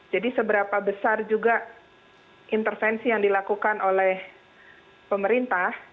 jadi seberapa besar juga intervensi yang dilakukan oleh pemerintah